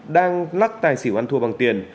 đang lắc tài xỉu ăn thua bằng tiền